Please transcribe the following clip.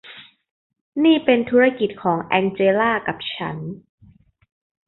นี่เป็นธุรกิจของแองเจล่ากับฉัน